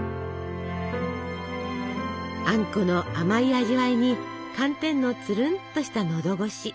あんこの甘い味わいに寒天のつるんとした喉ごし。